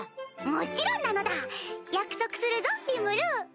もちろんなのだ約束するぞリムル。